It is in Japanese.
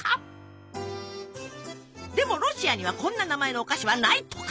でもロシアにはこんな名前のお菓子はないとか！